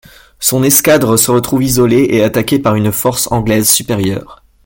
Son escadre se retrouve isolée et attaquée par une force anglaise supérieure.